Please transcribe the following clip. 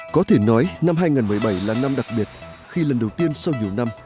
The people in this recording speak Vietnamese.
có thể nói năm hai nghìn một mươi bảy là năm đặc biệt khi lần đầu tiên sau nhiều năm